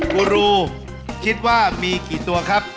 กูรูคิดว่ามีกี่ตัวครับ